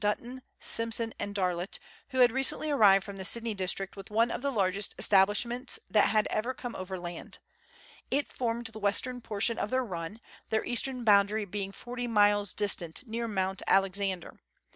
Button, Simson, and Darlot, who had recently arrived from the Sydney district with one of the largest establishments that had ever come overland. It formed the western portion of their run, their eastern boundary being 212 Letters from Victorian Pioneers. forty miles distant, near Mount Alexander.